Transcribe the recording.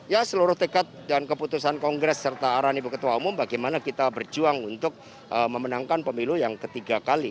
ya seluruh tekad dan keputusan kongres serta arahan ibu ketua umum bagaimana kita berjuang untuk memenangkan pemilu yang ketiga kali